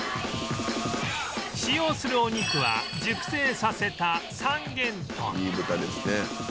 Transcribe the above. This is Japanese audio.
使用するお肉は熟成させた三元豚